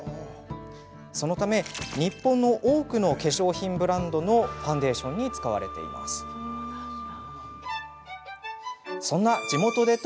そのため日本の多くの化粧品ブランドのファンデーションに使われているんです。